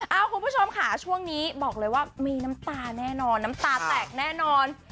คุณผู้ชมค่ะช่วงนี้บอกเลยว่ามีน้ำตาแน่นอนน้ำตาแตกแน่นอน